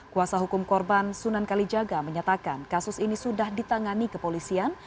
kuasa hukum korban sunan kalijaga menyatakan kasus ini sudah ditangani kepolisian